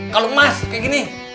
kalau emas kayak gini